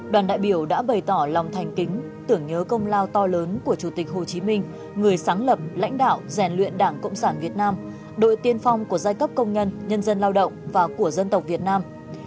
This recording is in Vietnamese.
đoàn đại biểu đã bày tỏ lòng thành kính tưởng nhớ công lao to lớn của chủ tịch hồ chí minh người sáng lập lãnh đạo rèn luyện đảng cộng sản việt nam đội tiên phong của giai cấp công nhân nhân dân lao động và của dân tộc việt nam